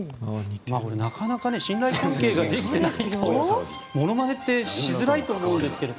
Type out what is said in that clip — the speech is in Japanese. なかなか信頼関係ができていないとものまねってしづらいと思うんですけど。